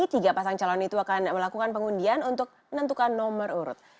tiga pasang calon itu akan melakukan pengundian untuk menentukan nomor urut